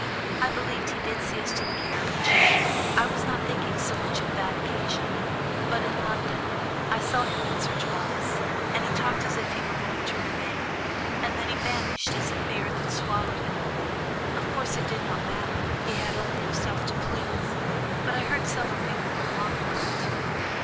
"I believe he did see us to the carriage; I was not thinking so much of that occasion. But in London I saw him once or twice, and he talked as if he were going to remain, and then he vanished as if the earth had swallowed him. Of course, it did not matter; he had only himself to please; but I heard several people remark on it."